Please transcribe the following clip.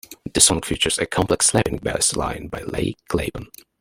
The song features a complex slapping bass line by Les Claypool.